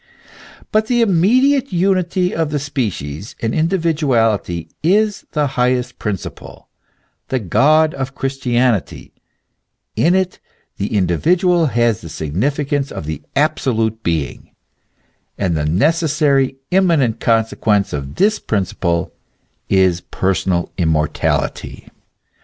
But the immediate unity of the species and individuality, is the highest principle, the God of Christianity, in it the individual has the significance of the absolute being, and the necessary, immanent consequence of this principle is personal immortality.